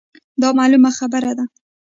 دا مـعـلومـه خـبـره ده.